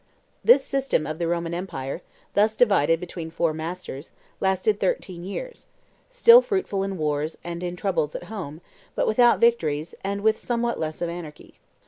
This system of the Roman empire, thus divided between four masters, lasted thirteen years; still fruitful in wars and in troubles at home, but without victories, and with somewhat less of anarchy.